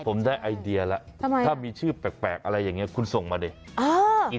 ผมได้ไอเดียแล้วทำไมถ้ามีชื่อแปลกอะไรอย่างนี้คุณส่งมาดิ